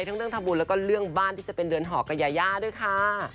ทั้งเรื่องทำบุญแล้วก็เรื่องบ้านที่จะเป็นเรือนห่อกับยายาด้วยค่ะ